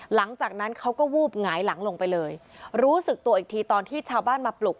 หลังจากนั้นเขาก็วูบหงายหลังลงไปเลยรู้สึกตัวอีกทีตอนที่ชาวบ้านมาปลุก